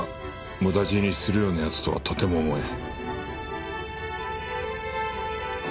無駄死にするような奴とはとても思えん。